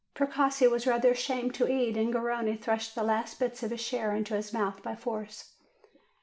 Precossi was rather ashamed to eat, and Garrone thrust the best bits of his share into his mouth by force.